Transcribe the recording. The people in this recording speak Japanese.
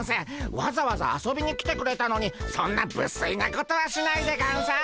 わざわざ遊びに来てくれたのにそんなぶすいなことはしないでゴンス。